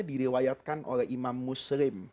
diriwayatkan oleh imam muslim